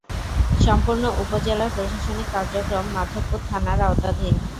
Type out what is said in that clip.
সম্পূর্ণ উপজেলার প্রশাসনিক কার্যক্রম মাধবপুর থানার আওতাধীন।